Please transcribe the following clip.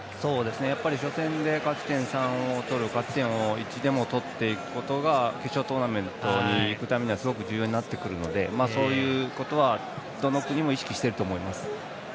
初戦で勝ち点３を取る勝ち点を１でも取っていくことが決勝トーナメントにいくためにはすごく重要になってくるのでそういうことはどの国も意識してると思います。